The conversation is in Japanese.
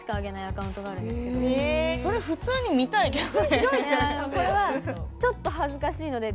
それ普通に見たいけど。